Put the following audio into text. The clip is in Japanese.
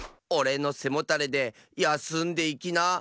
『おれのせもたれでやすんでいきな』」。